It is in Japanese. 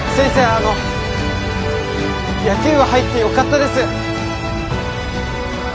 あの野球部入ってよかったです